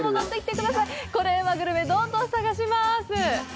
うまグルメ、どんどん探します！